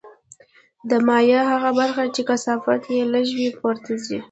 د مایع هغه برخه چې کثافت یې لږ وي پورته ځي.